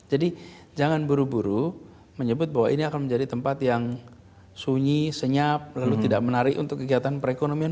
jadi jangan buru buru menyebut bahwa ini akan menjadi tempat yang sunyi senyap lalu tidak menarik untuk kegiatan perekonomian